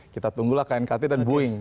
kita tunggulah knkt dan boeing